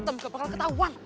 hitam gak bakal ketahuan